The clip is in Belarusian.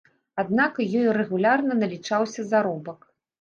Аднак ёй рэгулярна налічаўся заробак.